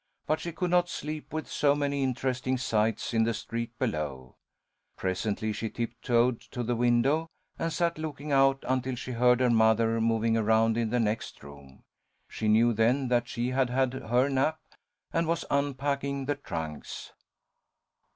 But she could not sleep with so many interesting sights in the street below. Presently she tiptoed to the window, and sat looking out until she heard her mother moving around in the next room. She knew then that she had had her nap and was unpacking the trunks.